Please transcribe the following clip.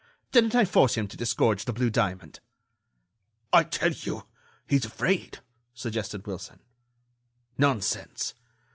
Didn't I force him to disgorge the blue diamond?" "I tell you—he's afraid," suggested Wilson. "Nonsense!